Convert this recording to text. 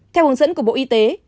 theo hướng dẫn của bộ y tế